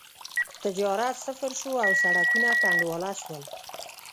تجارت صفر شو او سړکونه کنډواله شول.